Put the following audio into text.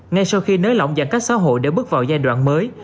ngay sau khi nới lỏng giãn cách xã hội để bước vào giai đoạn mới